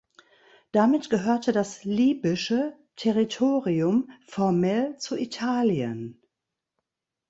Damit gehörte das libysche Territorium formell zu Italien.